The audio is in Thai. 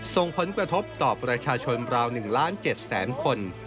ส่งผลกระทบต่อประชาชนราว๑ล้าน๗แสนคน